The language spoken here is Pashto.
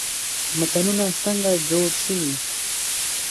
متلونه څنګه جوړ شوي؟